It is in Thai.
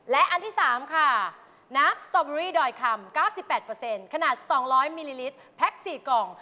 และอันที่๓ค่ะน้ำสตอเบอรี่ดอยคำ๙๘ขนาด๒๐๐มิลลิลิตรแพ็ค๔กล่อง